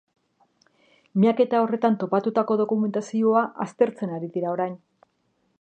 Miaketa horretan topatutako dokumentazioa aztertzen ari dira orain.